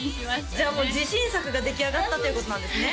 じゃあもう自信作が出来上がったっていうことなんですね